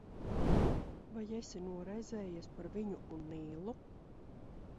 Vai esi noraizējies par viņu un Nīlu?